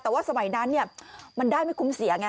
แต่ว่าสมัยนั้นมันได้ไม่คุ้มเสียไง